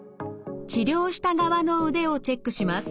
治療した側の腕をチェックします。